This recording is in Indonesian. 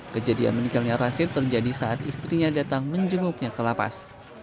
kejadian menikahnya rashid terjadi saat istrinya datang menjenguknya kelapas